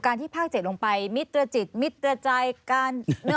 ที่ภาค๗ลงไปมิตรจิตมิตรใจกัน